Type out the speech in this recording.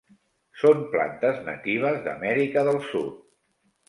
Són plantes natives d'Amèrica del Sud.